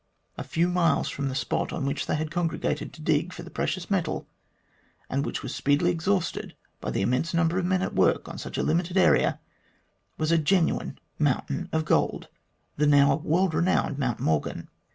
A few miles from the spot on which they had congregated to dig for the precious metal, and which was speedily exhausted by the immense number of men at work on such a limited area, was a genuine mountain of gold, the now world renowned Mount Morgan.